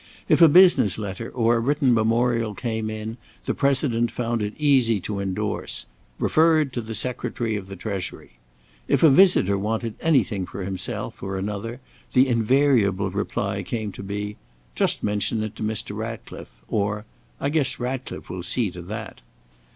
If a business letter or a written memorial came in, the President found it easy to endorse: "Referred to the Secretary of the Treasury." If a visitor wanted anything for himself or another, the invariable reply came to be: "Just mention it to Mr. Ratcliffe;" or, "I guess Ratcliffe will see to that."